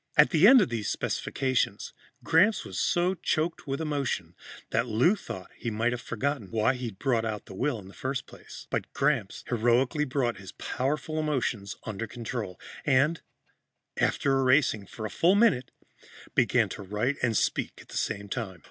At the end of these specifications, Gramps was so choked with emotion that Lou thought he might have forgotten why he'd brought out the will in the first place. But Gramps heroically brought his powerful emotions under control and, after erasing for a full minute, began to write and speak at the same time.